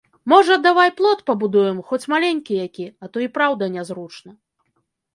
Можа, давай плот пабудуем, хоць маленькі які, а то і праўда нязручна.